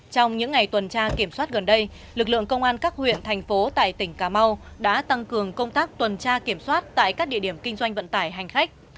trong những ngày tuần tra kiểm soát gần đây lực lượng công an các huyện thành phố tại tỉnh cà mau đã tăng cường công tác tuần tra kiểm soát tại các địa điểm kinh doanh vận tải hành khách